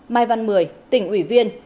mai văn mười tỉnh ủy viên